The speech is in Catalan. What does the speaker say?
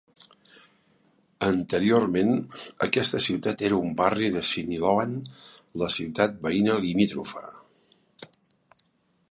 Anteriorment, aquesta ciutat era un barri de Siniloan, la ciutat veïna limítrofa.